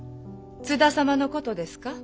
津田様のことですか？